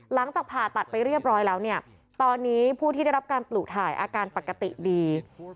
หลังจากผ่าตัดไปเรียบร้อยแล้วเนี่ยตอนนี้ผู้ที่ได้รับการปลูกถ่ายอาการปกติดี